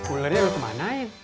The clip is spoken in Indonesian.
ularnya lu kemana in